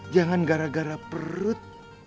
jangan gara gara perut